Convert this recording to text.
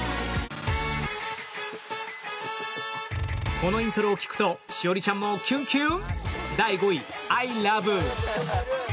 このイントロを聴くと栞里ちゃんもキュンキュン？